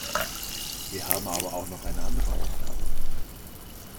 Wir haben aber auch noch eine andere Aufgabe.